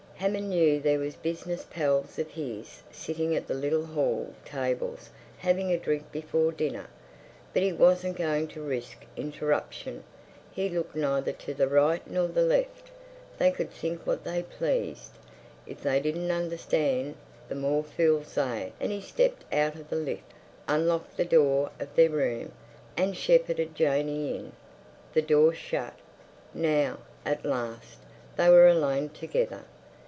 Hammond knew there were business pals of his sitting at the little hall tables having a drink before dinner. But he wasn't going to risk interruption; he looked neither to the right nor the left. They could think what they pleased. If they didn't understand, the more fools they—and he stepped out of the lift, unlocked the door of their room, and shepherded Janey in. The door shut. Now, at last, they were alone together.